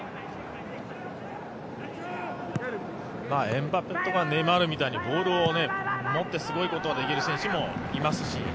エムバペとかネイマールみたいにボールを持ってすごいことができる選手もいますし。